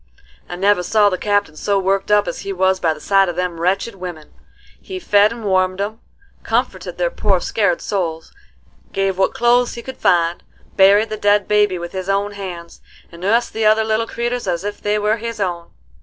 "I never saw the Captain so worked up as he was by the sight of them wretched women. He fed and warmed 'em, comforted their poor scared souls, give what clothes we could find, buried the dead baby with his own hands, and nussed the other little creeters as if they were his own.